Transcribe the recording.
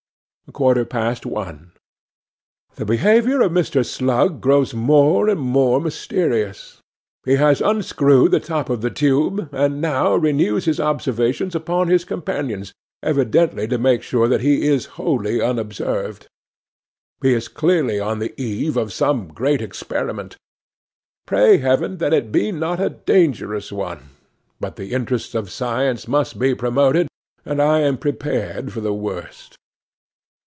'A quarter past one. 'THE behaviour of Mr. Slug grows more and more mysterious. He has unscrewed the top of the tube, and now renews his observations upon his companions, evidently to make sure that he is wholly unobserved. He is clearly on the eve of some great experiment. Pray heaven that it be not a dangerous one; but the interests of science must be promoted, and I am prepared for the worst.